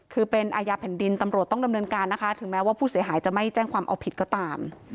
คือเป็นอาญาแผ่นดินตำรวจต้องดำเนินการนะคะถึงแม้ว่าผู้เสียหายจะไม่แจ้งความเอาผิดก็ตาม